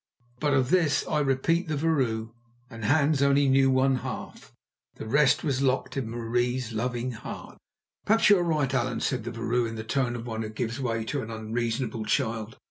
But of this I repeat the vrouw and Hans only knew one half; the rest was locked in Marie's loving heart. "Perhaps you are right, Allan," said the vrouw in the tone of one who gives way to an unreasonable child.